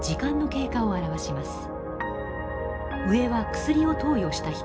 上は薬を投与した人。